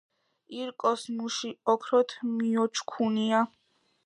ირკოს მუში ოქროთ მიოჩქუნია."